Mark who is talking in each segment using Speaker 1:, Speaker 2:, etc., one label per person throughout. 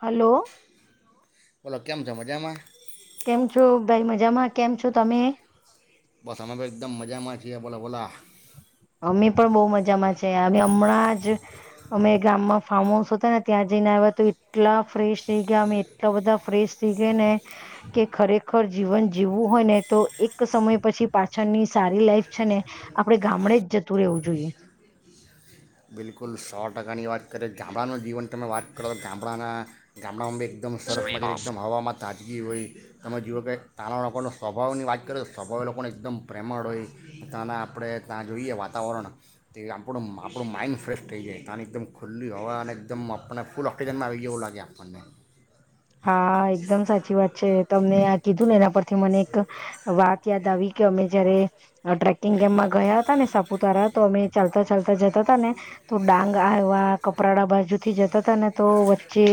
Speaker 1: Hello
Speaker 2: બોલો કેમ છો મજામાં
Speaker 1: કેમ છો ભાઈ મજામાં કેમ છો તમે
Speaker 2: બસ હમે એકદમ મજામાં છએ બોલા બોલા
Speaker 1: અ હમણાં જ અમે ગામમાં ફાર્મ હાઉસ હતા ને ત્યાં જઈને આવ્યા તો એટલા ફ્રેશ થઈ ગયા અમે એટલા બધા ફ્રેશ થઈ ગયા ને કે ખરેખર જીવન જીવવું હોય ને તો એક સમય પછી પાછળની સારી લાઈફ છે ને આપડે ગામડે જ જતું રહેવું જોઈએ
Speaker 2: બિલકુલ સો ટકાની વાત કરીએ ગામડાનું જીવન તમે વાત કરો તો ગામડાના ગામડામાંી એકદમ સરસ ટ એકદમ હવામાં તાજગી હોય તમે જોીઓો કે તાંના લોકોના સ્વભાવની વાત કરો તો સ્વભાવ લોકોને એકદમ પ્રેમળ હોય તાના આપણે ત્યાં જોઈએ વાતાવરણ તે આપણું મા આપણું માઈન્ડ ફ્રેશ થઈ જાય તની એકદમ ખુલ્લી હોવા અને એકદમ આપણને ફૂલ ઓક્સિજનમાં આવી જવું લાગે આપણને
Speaker 1: હા એકદમ સાચી વાત છે તમને આ કીધું ને એના પરથી મને એક વાત યાદ આવી કે અમે જયારે હ ટ્રેક િંગ ગેમમાં ગયા હતા ને સાપુતારા તો અમે ચાલતા ચાલતા જતા હતાા ને તો ડાંગ આવ્યા કપરાડા બાજુથી જતા તા ને તો વચ્ચે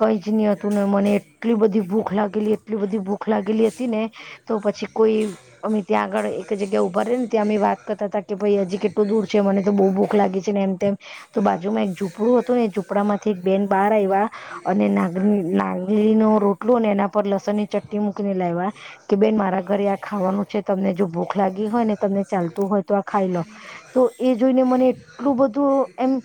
Speaker 1: કઈ જ નહી ને મને એટલી બધી ભૂખ લાગેલી એટલી બધી ભૂખ લાગેલી ને તો પછી કોઈ અમ ત્યાં આગળ એક જગ્યા ઉભા ર ને ત્યાં અ વાત કરતા હતા કે ભાઈ હજી કેટલું દૂર છે મને તો બહુ ભૂખ લાગી છે ને એમ તેમ તો બાજુમાં એક ઝૂપડું હતું નેઝુંપડા માંથી એક બેન બહાર આવ્યા અને લંગલી ન રોટલો એના પર લસણ ની ચટ મૂકીને લેવા કે બેન મારા ઘરે આ ખાવાનું છે તમને જો ભો લાગી હો ને તમને ચાલતું હોય તો આ ખાઈ લો તો એ જોઈને મને એટલું બધું એમ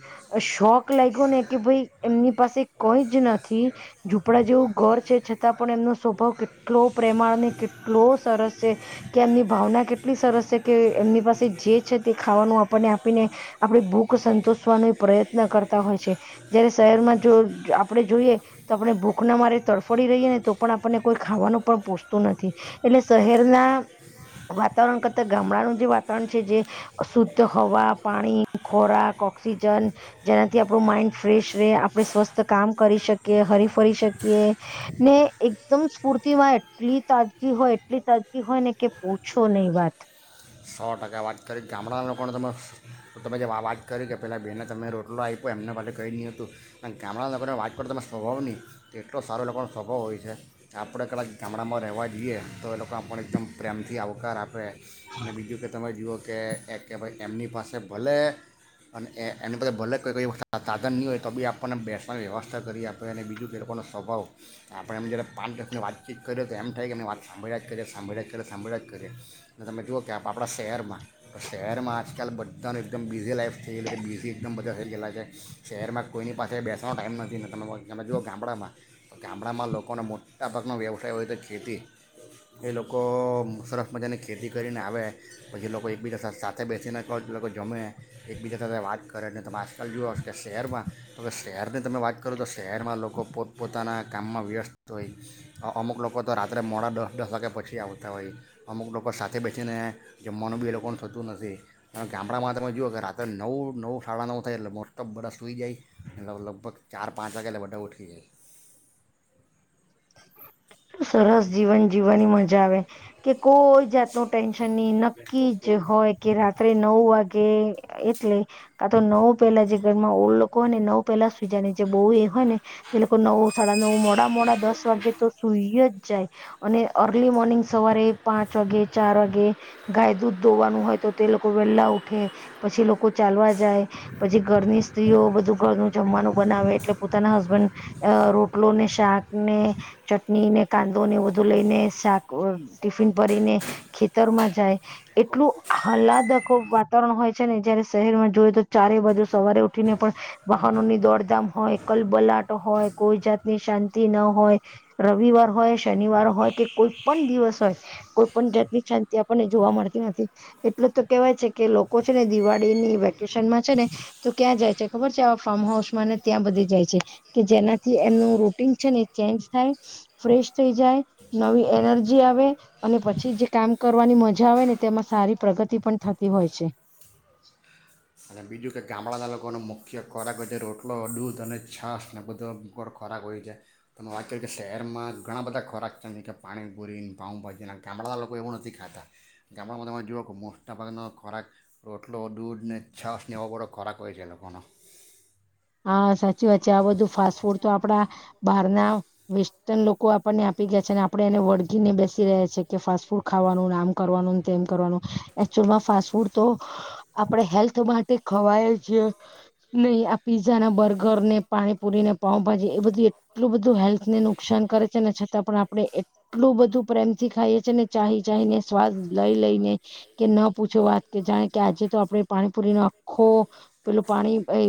Speaker 1: શોખ લાગ્યો ને કે ભાઈ એમની પાસે કોઈ જ નથી ઝૂપડા જેવું ઘર છે છતાં પણ એમનો સ્વભાવ કેટલો પ્રેમાળને કેટલો સરસ છે કે એમની ભાવના કેટલી સરસ છે કે એમની પાસે જે છે તે ખાવાનું આપણને આપીને આપણી ભૂખ સંતોષવાનો પ્રયત્ન કરતા હોય છે જયારે શહેરમાં જો આપણે જોઈએ તો આપણે ભૂખના મારે તડફડી રહીએ ને તો પણ આપણને કોઈ ખાવાનું પણ પોસતું નથી એટલે શહેરના વાતાવરણ કરતા ગામડાનું જે વાતાવરણ છે જે શુદ્ધ હવા પાણી ખોરાક ઓક્સિજન જેનાથી આપણું માઈન્ડ ફ્રેશ રહે આપણે સ્વસ્થ કામ કરી શકીએ કે હરી ફરી શકીએ ને એકદમ સ્ફૂર્તિ માં એટલી તાજગી હોય એટલી તાજગી હોય ને કે પૂછો નને એ વાત
Speaker 2: સો ટકા વાત કરી ગામડાના લોકોને તમે તમે જે વાત કરી કે પહેલાં બહેને તમે રોટલો આપ્યો એમનેાછલે કહી નહીં હતું પણ ગામડાના લોકોને વાત કર તમે સ્વભાવ નહીં તો એટલો સારો લોકોનો સ્વભાવ હોય છે આપણે કદાચ ગામડામાં રહેવા જઈએ તો એ લોકો આપને એકદમ પ્રેમથી આવકાર આપે અને બીજું કે તમામે જુક કે એ કે ભાઈ એમની પાસે ભલે અને એ એની પાસે ભલે કોઈઈ વ સાધન નહીં હોય તો બી આપણને બેસવાની વ્યવસ્થા કરી આપે અને બીજું એ લોકોનો સ્વભાવ આપણે એમ જ્યારે પાંચ દખની વાતચીત કરીએ તો એમ થાય કે એમની વાત સાંભળ્યા જ કરીએ સાંભળ્યા જ કરીએ સાંભળ્યા જ કરીએ અને તમે જુઓ કે આપ આપણા શહેરમાં શહેરમાં આજકાલ બધાને એકદમ બીઝી લાઈફ થઈ ગયલી છે બીઝી એકદમ બધા થઈ ગયેલા છે શહેરમાં કોઈની પાસે બેસવાનો ટાઈમ નથી તમે તમે જુઓ ગામડામાં તો ગામડામાં લોકોનો મોટા ભાગનો વ્યવસાય હોય છે ખેતી એ લોકો સરસ મજાની ખેતી કરીને આવે પછી લોકો એકબીજા સાથે સાથે બેસીને કહો લોકો જમે એકબીજા સાથે વાત કરે તમે આજકાલ જોુઓશ કે શહેરમાં તો શહેરની તમે વાત કરો તો શહેરમાં લોકો પોત પોોતાના કામમાં વ્યસ્ત હોય અમુક લોકો તો રાત્રે મોડા દસ દસ વાગ્યા પછી આવતા હોય અમુક લોકો સાથે બેસી છે ને જમવાનું બી એ લોકો થતું નથી પણ ગામડામાં તમે જુઓ કે રાત્રે નવ નવ સાડા નવ થાય એટલે મોસ્ટ ઓ બધા સુઈ જાય એ લગભગ ચાર પાંચ વાગે એટલે બધા ઉઠી
Speaker 1: સરસ જીવન જીવવાની મજા આવે કે કોઈ જાતનુ ટટેન્શન ની ન કી જ હોય કે રાત્રે નવ વાગે એટલે કા તો નવ પેલા જે ઘર માં ઓ લોકો હોય ને નવ પહેલા સુજાને જે બહુ એ હોય ને તે લોકો નવ સાડા નવ મોડા મોડા દસ વાગે તો સુઈ જ જાય અને અર્લી મોર્નિંગ સવારે પાંચ વાગે ચાર વાગે ગાય દૂધ દોવાનું હોય તો તે લોકો વેહેલા ઉઠે પછી લોકો ચાલવા જાય પછી ઘરની સ્ત્રીઓ બધું ઘરનું જમવાનું બનાવે એટલે પોતાના હસબન્ડ અ રોટલોને શાક ને ચટણી ને કાંદોને વધુ લઈને શાક ટિફિન ભરીને ખેતરમાં જાય એટલું હલાદકો વાતાવરણ હોય છે ને જયારે શહેરમાં જોએ તો ચારે બાજુ સવારે ઉઠીને રવિવાર હોય શનિવાર હોય કે કોઈ પણ દિવસ હોય કોઈ પણ જાતની શાંતિ આપણને જોવા મળતી નથી એટલે તો કેવાય છે કે લોકો છે ને દિવાળીની વેકેશનમાં છે ને તો ક્યાં જાય છે ખબર છે આવા ફાર્મ હાઉસમાં ને ત્યાં બધી જાય છે કે જેનાથી એમનું રૂટીન છે ને ચેન્જ થાય ફ્રેશ થઈ જાય નવી એનર્જી આવે અને પછી જે કામ કરવાની મજા આવે ને તેમાં સારી પ્રગતિ પણ થતી હોય છે.
Speaker 2: અને બીજું કે ગામડાના લોકોનો મુખ્ય ખોરાક હોય છે રોટલો દૂધ અને છાસ ને બધો ખોરાક હોય છે તમે વાત કરી કે શહેરમાં ઘણા બધા ખોરાક છે કે પાણીપુરી પાઉભાજીના ગામડાના લોકો એવું નથી ખાતા ગામડામાં તમે જુઓ કે મોટા ભાગનો ખોરાક રોટલો દૂધને છાસ ને એવો બધો ખોરાક હોય છે.
Speaker 1: હા સા જે છે આ બધું ફાસ્ટ ફૂડ તો આપણા બહારના વેસ્ટર્ન લોકો આપણને આપી ગયા છે ને આપડણે એને વળગીને બેસી રહ્યા છે કે ફાસ્ટ ફૂડ ખાવાનું ને આમ કરવાનું તેમ કરવાનું એકચુઅલમાં ફાસ્ટ ફૂડ તો આપણે હેલ્થ માટે ખવાય જ નહી આ પીઝા ના બર્ગર ને પાણીપુરીને પાઉભાજી એ બધું એટલું બધું હેલ્થ ને નુકસાન કરે છે ને છતાં પણ આપડે એટલું બધું પ્રેમ થી ખાઈએ છી ને ચાહી ચાહી ને સ્વાદ લઈ લઈને કે ન પૂછો વાત કે જાણે કે આજે તો આપડે પાણીપુરી નો આખો પેલું પાણી એ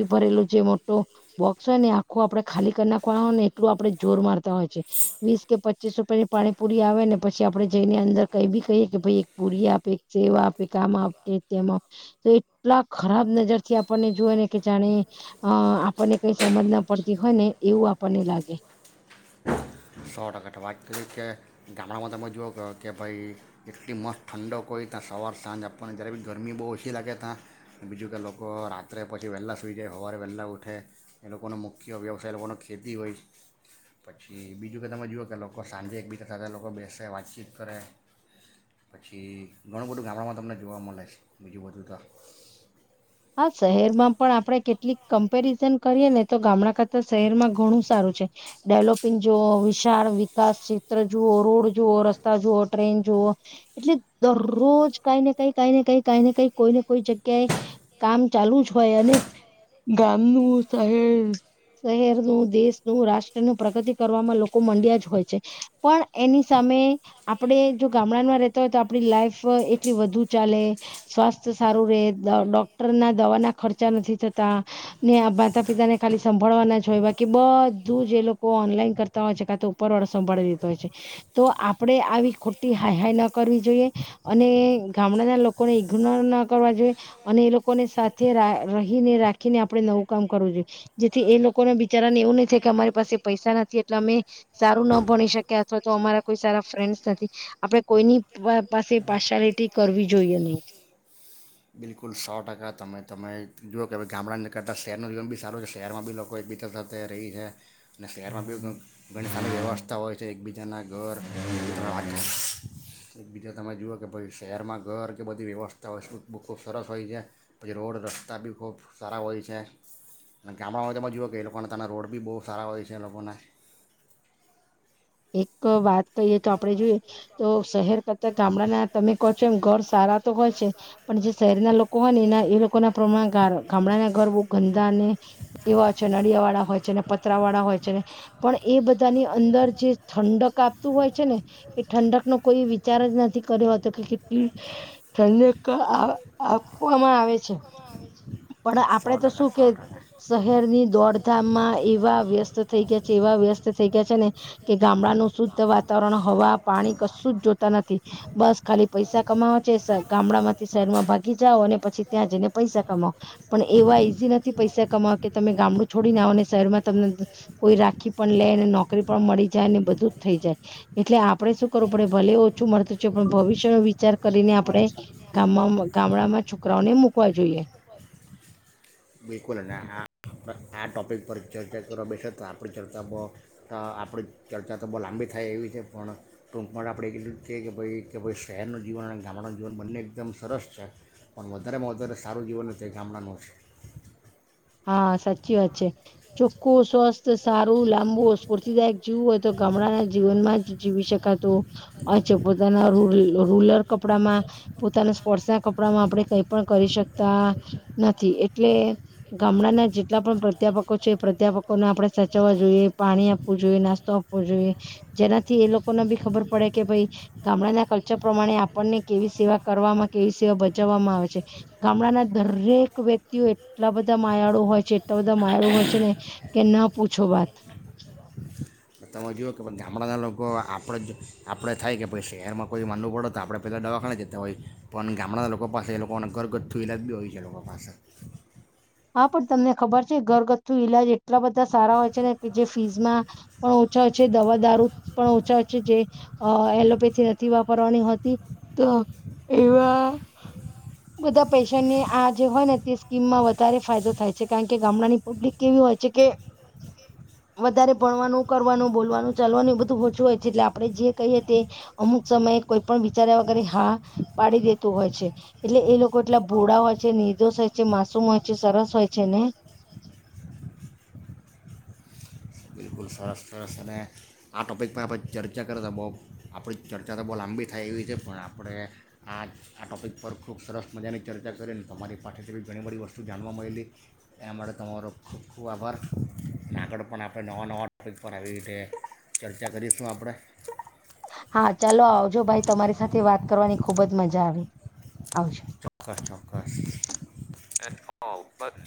Speaker 1: ભરેલો જે મોટો બોક્સ હોય ને આખો આપડે ખાલી કરી નાખવા હોય ને એટલું આપડે જોર મારતા હોય છે વીસ કે પચીસ રૂપિયાની પાણીપુરી આવે ને પછી આપડે જઈને અંદર કઈ બી કહીએ કે ભય એક પુરી આપે એક સેવ આપે તેમાં તો એટલા ખરાબ નજર થી આપણને જોય ને કે જાણે અ આપણને કઈ સમજ ના પડતી હોય ને એવું આપણને લાગે
Speaker 2: સો ટકા તો વાત કરી કે ગામડામાં તમે જોવ કહ કે ભાઈ એટલી મસ્ત ઠંડક કોઈ ત્યાં સવાર સાંજ પણ જ્યારે બી ગરમી બહુ ઓછી લાગે ત્યાં બીજું કે લોકો રાત્રે પછી વહેલાં સુઈ જાય સવારે વહેલાં ઉઠે એ લોકોનો મુખ્ય વ્યવસાય લોકોને ખેતી હોય પછી બીજું કે તમે જુઓ કે લોકો સાંજે એકબીજા સાથે લોકો બેસે વાતચીત કરે પછી ઘણું બધું ગામડામાં તમને જોવા મળે છે બીજું બધું ત
Speaker 1: હા શહેરમાં પણ આપણે કેટલીક કમ્પેરિઝન કરીએ ને તો ગામડા કરતા શહેરમાં ઘણું સારું છે ડેવલોપિંગ જુઓ વિશાળ વિકાસ ક્ષેત્ર જુઓ રોડ જુવઓ રસ્તા જુઓ ટ્રેન જુઓ એટલે દરરોજ કાઈ ને કાઈ કાઈ ને કાઈ કાઈ ને કઈ કોઈ ને કોઈ જગ્યાએ કામ ચાલુ જ હોય અને ગામનું શહે શહેરનું દેશનું રાષ્ટ્ર નું પ્રગતિ કરવામાં લોકો મંડ્યા જ હોય છે પણ એની સામે આપડે જો ગામડામાં રહેતા હોય તો આપડી લાઈફ એટલી વધુ ચાલે સ્વાસ્થ્ય સારું રે દ દક ટરના દવાના ખર્ચા નથી થતા ને આ માતા પિતાને ખાલી સંભાળવાના જ હોય બાકી બધું જ એ લોકો ઓનલાઈન કરતા હોય છે કા તો ઉપરવાળો સંભાળી લીધ હોય છે તો આપણેે આવી ખોટી હાઈ હાઈ ન કરવી જોઈએ અને ગામડાના લોકોને ઇગનોર ન કરવા જોઈએ અને એ લો લોકોને સાથે રહીને રાખીને આપણે નવું કામ કરવું જોઈએ જેથી એ લોકો ના બિચારાને એવું નહી થાય કે અમારી પાસે પૈસા નથી એટલે અમે સારું ના ભણી શકેયા અથવા તો અમારા કોઈ સારા ફ્રેન્ડસ નથી આપણે કોઈની પા પાસે પાર્શિયાલિટી કરવી જોઈએ નય
Speaker 2: બિલકુલ સો ટકા તમે તમે જુઓ કે ભાઈ ગામડાને કરતાં શહેરનું જીવન બી સારું છે શહેરમાં બી લોકો એકબીજા સાથે રહી છે અને શહેરમાં બી ઘણી સારી વ્યવસ્થા હોય છે એકબીજાના ઘર એકબીજા તમે જુઓ કે ભાઈ શહેરમાં ઘર કે બધી વ્યવસ્થા હોય [unintelligible] ખૂબ સરસ હોય છે પહી રોડ રસ્તા બી ખૂબ સારા હોય છે અને ગામડામાં જુઓ કે એ લોકોને તાના રોડ બી બો સારા હોય છે એ લોકોને
Speaker 1: એક વાત કહીએ તો આપડે જોઈએ તો શહેર ક ગામડાના તમે કહો છો એમ ઘર સારા હોય છે પણ જે શહેર ના લોકો હોય ને એના એ લો લોકો ના પ્રમાણે ગા ગામડાના ઘર બો ગંદાને એવા હોય છે નળિયા વાળા હોય છે ને પતરા વાળા હોય છેને પણ એ બધાની અંદર જે ઠંડક આપતું હોય છે ને એ ઠંડકનો કોઈ વિચાર જ નથી કર્યો હતો કે કેટલી ઠંડક આ આપવામાં આવે છે. પણ આપડે
Speaker 2: સો
Speaker 1: તો
Speaker 2: ટકા
Speaker 1: શું કે
Speaker 2: સો ટકા
Speaker 1: શહેરની દોડધામમાં એવા વ્યસ્ત થઈ ગયા છે એવા વ્યસ્ત થઈ ગયા છે ને કે ગામડાનું શુદ્ધ વાતાવરણ હવા પાણી કશું જ જોતા નથી બસ ખાલી પૈસા કમાવા છે ગામડામાંથી શહેરમાં ભાગી જાઓ અને પછી ત્યાં જઈને પૈસા આ પણ એવા ઈઝી નથી પૈસા કમાવો કે તમે ગામડું છોડીને આવો ને શહેરમાં તમને કોઈ રાખી પણ લે નોકરી પણ મળી જાય ને બધું જ થઈ જાય એટલે આપડે શું કરવું પડે ભલે ઓછું મળતું છે પણ ભવિષ્ય નો વિચાર કરીને આપણે ગામ ગામડામાં છોકરાઓને મુકવા જોઈએ.
Speaker 2: બિલકુલ અને આ આ ટોપિક [unintelligible] આપણી ચર્ચા બહ આપણી ચર્ચા તો બહુ લાંબી થાય એવી છે પણ ટૂંકમાં આપણે એટ રીતે છેએ કે ભાઈ કે ભાઈ શહેરનું જીવન અને ગામડાનું જીવન બંને એકદમ સરસ છે પણ વધારેમાં વધારે સારું જીવન તે ગામડાનું છે.
Speaker 1: હા, સાચી વાત છે. ચોખ્ખું સ્વસ્થ સારું લાંબુ સ્ફૂર્તિદાયક જીવું હોય તો ગામડાંના જીવનમાં જીવી શક કાતો પોતાના રુ રૂલર કપડામાં પોતાના સ્પોર્ટસના કપડામાં આપણે કઈ પણ કરી શકતા નથી એટલે ગામડાના જેટલા પણ પ્રાધ્યાપકો છે એ પ્રાધ્યાપકોને આપણે સાચવવા જોઈએ પાણી આપવું જોઈએ, નાસ્તો આપવો જોઈએ જેનાથી એ લોકોને બી ખબર પડે કે ભાઈ ગામડાના કલ્ચર પ્રમાણે આપણને કેવી સેવા કરવામાં કેવી સેવા બચાવવામાં આવે છે ગામડાના દરેક વ્યક્તિઓ એ ટલા બધા માયાળુ હોય છે એટલા બધા માયાળુ હોય છે ને કે ના પૂછો વાત.
Speaker 2: તો તમે જોઓ કે ગામડાના લોકો આપણે જ આપણે થાય કે ભ શહેરમાં કોઈ માનવું પડે તો આપણે પહેલાં દવાખાને જતાં હોય પણ ગામડાના લોકો પાસે એ લોકોને ઘરગથ્થુ ઇલાજ બી હોય છે એ લોકો પાસે.
Speaker 1: હા, પણ તમને ખબર છે ઘરગથ્થુ ઈલાજ એટલા બધા સારા હોય છે ને કે જે ફીઝમાં પણ ઓછા છે. દવા દારૂ પણ ઓછા છે. જે અ એલોપેથી નથી વાપરવાની હોતી તો એવા બધા પેશને આ જે હોય ને તે સ્કીમમાં વ વધરે ફાયદો થાય છે, કારણ કે ગામડાની પબ્લિક કેવી હોય છે કે વધારે ભણવાનું કરવાનું બોલવાનું ચાલવાનું એ બધું ઓછું હોય છે એટલે આપણે જે કહીએ તે અમુક સમયે કોઈ પણ વિચાર્યા વગરે હા પાડી દેતું હોય છે એટલે એ લોકો એટલા ભોળ હોય છે નિર્દોષ હોય છે માસુમ હોય સરસ હોય છે ને
Speaker 2: બિલકુલ સરસ સરસ અને આ ટોપિક પર આપણે ચર્ચા કરીએ તો બહુ આપણી ચર્ચા તો બહુ લાંબી થાય એવી છે પણ આપણે આ આ ટોપિક પર ખૂબ સરસ મજાની ચર્ચા કરીને તમારી પાસેથી બી ઘણી બધી વસ્તુ જાણવા મળેલી એ માટે તમારો ખૂબ ખૂબ આભાર અને આગળ પણ આપણે નવા નવા ટપિક પર આવી રીતે ચર્ચા કરીશું આપણે
Speaker 1: હા ચાલો આવજો ભાઈ તમારી સાથે વાત કરવાની ખુબ જ મજા આવે આવજો
Speaker 2: ચોક્સ ચોક્કસ